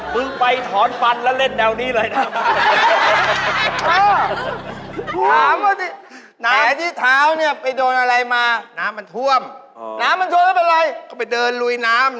ไปถอนฟันแล้วเล่นแนวนี้เลยนะ